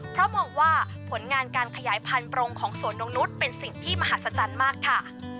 เพราะมองว่าผลงานการขยายพันธุรงของสวนนกนุษย์เป็นสิ่งที่มหัศจรรย์มากค่ะ